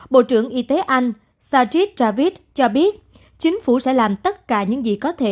bộ trưởng y tế anh sajid javid cho biết chính phủ sẽ làm tất cả những gì có thể